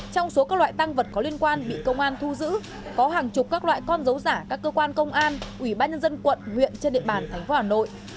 trong số các loại tăng vật có liên quan bị công an thu giữ có hàng chục các loại con dấu giả các cơ quan công an ủy ban nhân dân quận huyện trên địa bàn tp hà nội